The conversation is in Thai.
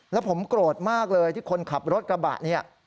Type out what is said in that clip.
แล้วผมโกรธมากเลยที่คนขับรถกระบะเนี่ย